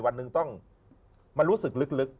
วันหนึ่งต้องมารู้สึกลึก